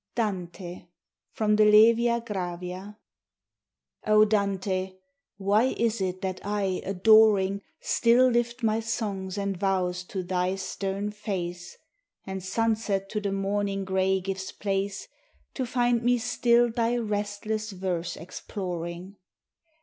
DANTE From the 'Levia Gravia' O Dante, why is it that I adoring Still lift my songs and vows to thy stern face, And sunset to the morning gray gives place To find me still thy restless verse exploring?